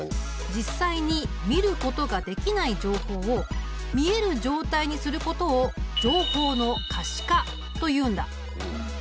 実際に見ることができない情報を見える状態にすることを情報の可視化というんだ。